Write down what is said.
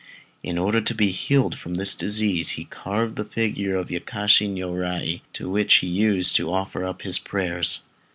In order to be healed from this disease he carved a figure of Yakushi Niurai, to which he used to offer up his prayers.